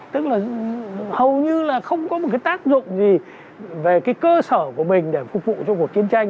tức là hầu như là không có một cái tác dụng gì về cái cơ sở của mình để phục vụ cho cuộc chiến tranh